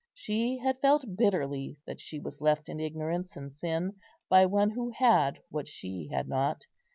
She had felt bitterly that she was left in ignorance and sin by one who had what she had not.